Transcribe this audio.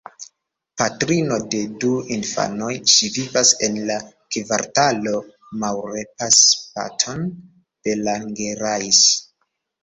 Patrino de du infanoj, ŝi vivas en la kvartalo Maurepas-Patton-Bellangerais.